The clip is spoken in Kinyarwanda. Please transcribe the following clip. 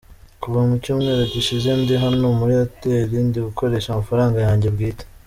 Kuva mu cyumweru gishize, ndi hano muri Hotel, ndi gukoresha amafaranga yanjye bwite.